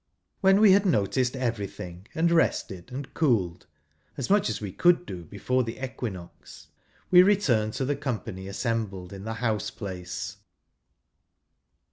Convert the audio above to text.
When we had noticed everything, and rested, and cooled (as much as we could do before the equinox), we returned to the company assembled, in the house place.